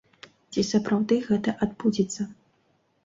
Ці сапраўды гэта адбудзецца?